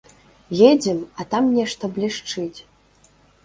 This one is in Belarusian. Едзем, а там нешта блішчыць.